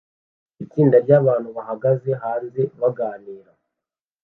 Itsinda ryabantu bahagaze hanze baganira